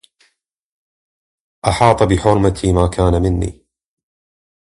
أَحاط بحرمتي ما كان مني